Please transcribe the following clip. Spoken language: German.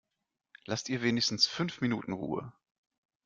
Lasst ihr wenigstens fünf Minuten Ruhe!